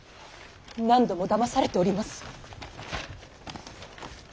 何度もだまされております。